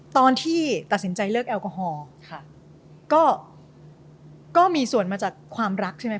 ตอนที่ตัดสินใจเลิกแอลกอฮอล์ก็มีส่วนมาจากความรักใช่ไหมค